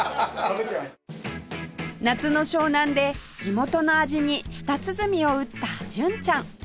夏の湘南で地元の味に舌鼓を打った純ちゃん